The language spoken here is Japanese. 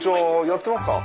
やってますか？